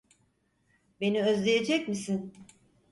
Beni özleyecek misin?